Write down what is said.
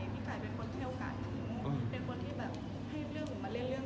นี่แบบเรื่อยนี้ต้องเชื่อมแข็ง